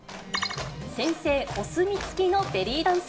先生お墨付きのベリーダンス。